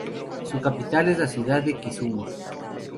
Su capital es la ciudad de Kisumu.